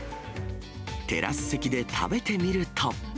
テラス席で食べてみると。